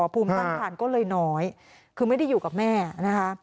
ภูมิต้านทานก็เลยน้อยคือไม่ได้อยู่กับแม่นะคะ